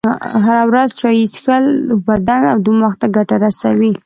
هره ورځ چایی چیښل و بدن او دماغ ته ګټه رسوي.